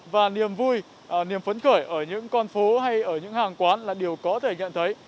và niềm vui niềm phấn khởi ở những con phố hay ở những hàng quán là điều có thể nhận thấy